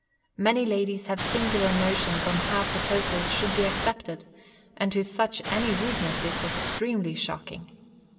Many ladies have singular notions on how proposals should be accepted, and to such any rudeness is extremely shocking.